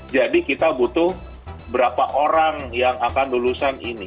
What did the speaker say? jadi kita butuh berapa orang yang akan lulusan ini